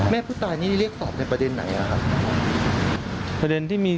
แม่ผู้ตายนึงดีเรียกสอบในประเด็นไหนครับประเด็นที่มี